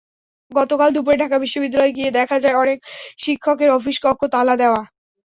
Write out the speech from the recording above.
গতকাল দুপুরে ঢাকা বিশ্ববিদ্যালয়ে গিয়ে দেখা যায়, অনেক শিক্ষকের অফিস কক্ষ তালা দেওয়া।